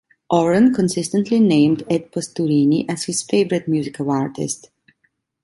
Oren consistently names Ed Pastorini as his favorite musical artist.